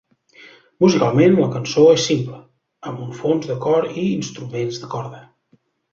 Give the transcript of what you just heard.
Musicalment, la cançó és simple, amb un fons de cor i instruments de corda.